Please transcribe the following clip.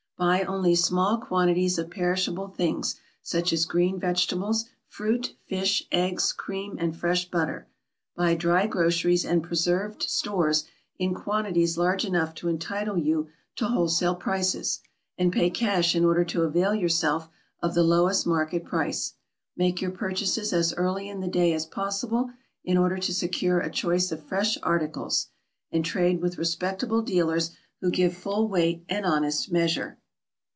Buy only small quantities of perishable things such as green vegetables, fruit, fish, eggs, cream, and fresh butter; buy dry groceries and preserved stores in quantities large enough to entitle you to wholesale prices; and pay cash in order to avail yourself of the lowest market price. Make your purchases as early in the day as possible in order to secure a choice of fresh articles; and trade with respectable dealers who give full weight and honest measure.